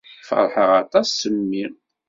Ferḥeɣ aṭas s mmi.